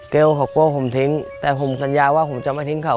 เขากลัวผมทิ้งแต่ผมสัญญาว่าผมจะไม่ทิ้งเขา